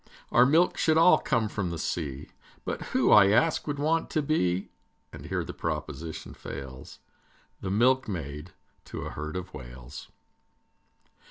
Our milk should all come from the sea, But who, I ask, would want to be, And here the proposition fails, The milkmaid to a herd of Whales?